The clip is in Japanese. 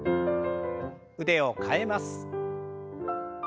腕を替えます。